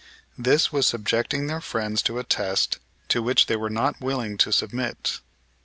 This was subjecting their friends to a test to which they were not willing to submit.